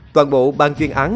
toàn bộ bang chuyên án